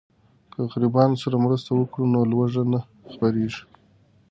که غریبانو سره مرسته وکړو نو لوږه نه خپریږي.